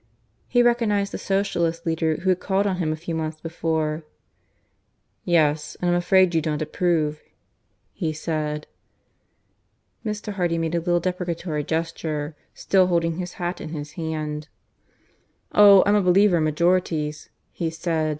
He recognized the Socialist leader who had called on him a few months before. "Yes: and I'm afraid you don't approve," he said. Mr. Hardy made a little deprecatory gesture, still holding his hat in his hand. "Oh! I'm a believer in majorities," he said.